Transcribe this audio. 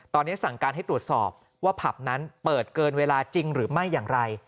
ตอนนี้สั่งการให้ตรวจสอบว่าผับนั้นเปิดเกินเวลาจริงหรือไม่อย่างไร